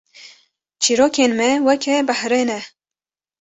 Çîrokên me weke behrê ne